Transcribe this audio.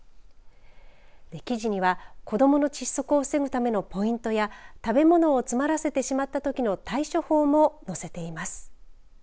記事には子ども窒息を防ぐためのポイントや食べ物を詰まらせてしまったときの対処法も載せています。